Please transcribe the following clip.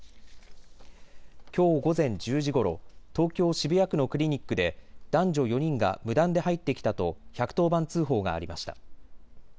きょう午前１０時ごろ東京渋谷区のクリニックで男女４人が無断で入ってきたと１１０番通報がありました。